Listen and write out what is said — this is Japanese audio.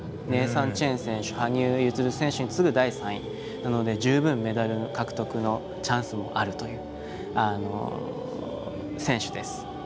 ネイサン・チェン選手羽生結弦選手に次ぐ第３位なので十分、メダルの獲得のチャンスもあるという選手です。